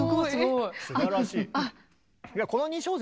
すばらしい。